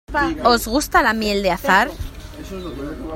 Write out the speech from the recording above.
¿Os gusta la miel de azahar?